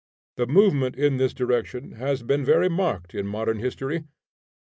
The movement in this direction has been very marked in modern history.